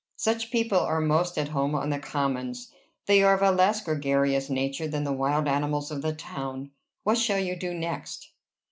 Such people are most at home on the commons: they are of a less gregarious nature than the wild animals of the town. What shall you do next?"